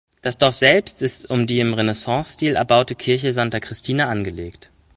Das Dorf selbst ist um die im Renaissancestil erbaute Kirche Santa Cristina angelegt.